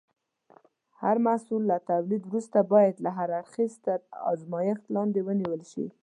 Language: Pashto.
هر محصول له تولید وروسته باید له هر اړخه تر ازمېښت لاندې ونیول شي.